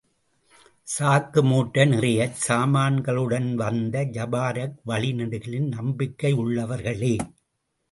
சாக்கு மூட்டை நிறையச் சாமான்களுடன் வந்த ஜபாரக் வழி நெடுகிலும், நம்பிக்கையுள்ளவர்களே!